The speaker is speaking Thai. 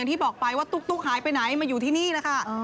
ที่บอกไปว่าตุ๊กหายไปไหนมาอยู่ที่นี่แหละค่ะ